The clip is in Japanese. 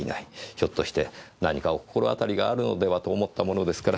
ひょっとして何かお心当たりがあるのではと思ったものですから。